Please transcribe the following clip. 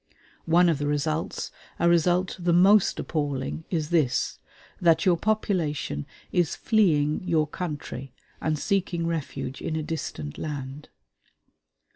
One of the results a result the most appalling is this, that your population is fleeing your country and seeking refuge in a distant land.